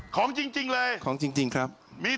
ของจริงเลยของจริงครับ